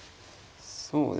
そうですね。